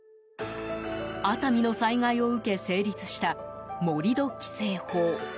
熱海の災害を受け、成立した盛土規制法。